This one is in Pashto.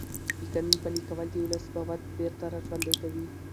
د قانون پلي کول د ولس باور بېرته راژوندی کوي